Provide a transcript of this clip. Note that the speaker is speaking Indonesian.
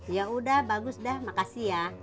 yaudah bagus dah makasih ya